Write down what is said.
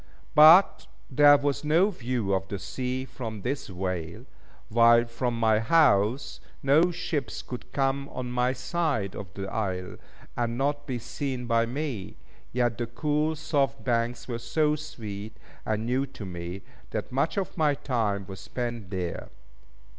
But there was no view of the sea from this vale, while from my house, no ships could come on my side of the isle, and not be seen by me; yet the cool, soft banks were so sweet and new to me that much of my time was spent there.